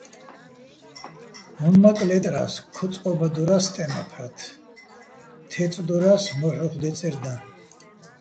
უ̂ნმაკ ლე́ტრა́ს, ქო წყო́ბადორა́ს სტემა́ჸფრათ, თე́წდორა́ს მოჰ̦ უ̂ხ დე́წერ დაჼ.